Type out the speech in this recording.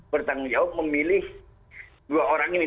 bertanggung jawab memilih dua orang ini